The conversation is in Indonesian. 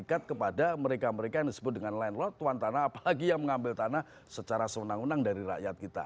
berkat kepada mereka mereka yang disebut dengan landlord tuan tanah apalagi yang mengambil tanah secara seunang unang dari rakyat kita